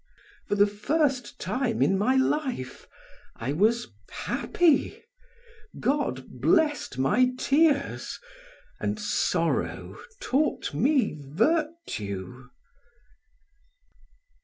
For the first time in my life I was happy, God blessed my tears, and sorrow taught me virtue.